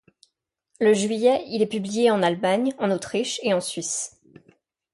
Le juillet, il est publié en Allemagne, en Autriche, et en Suisse.